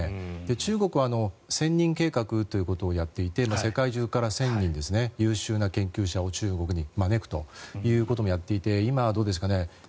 中国は千人計画ということをやっていて世界中から１０００人優秀な研究者を中国に招くということもやっていて今、どうですかね